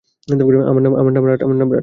আমার নাম রাট।